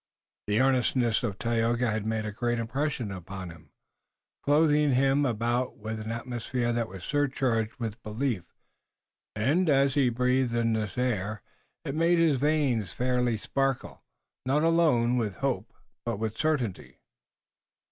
The earnestness of Tayoga had made a great impression upon him, clothing him about with an atmosphere that was surcharged with belief, and, as he breathed in this air, it made his veins fairly sparkle, not alone with hope, but with certainty.